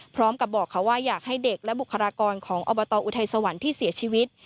พร้อมกับบอกเขาว่าอยากให้เด็กและบุคลากรของอบตอุทัยสวรรค์ที่เสียชีวิต